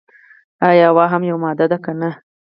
ایا هوا هم یوه ماده ده که نه.